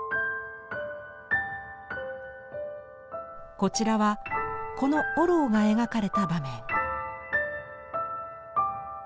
こちらはこの御廊が描かれた場面。